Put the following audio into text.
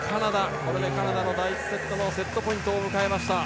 これでカナダ第１セットのセットポイントを迎えました。